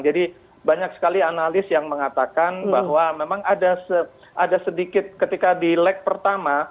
jadi banyak sekali analis yang mengatakan bahwa memang ada sedikit ketika di leg pertama